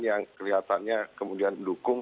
yang kelihatannya kemudian didukung